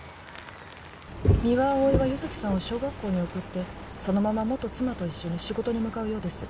三輪碧は優月さんを小学校に送ってそのまま元妻と一緒に仕事に向かうようです